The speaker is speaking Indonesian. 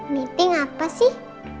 meeting apa sih